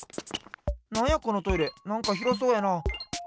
なんやこのトイレなんかひろそうやな。